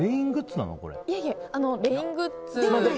いえ、レイングッズでは。